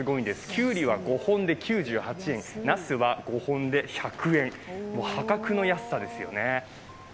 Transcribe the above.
きゅうりは５本で９８円、ナスは５本で１００円、破格の安さですよね。